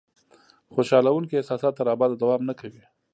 خوشالونکي احساسات تر ابده دوام نه کوي.